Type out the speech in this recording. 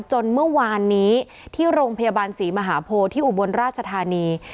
จนเมื่อวานนี้ที่โรงพยาบาลศรีมหาโพที่อุบลราชธานี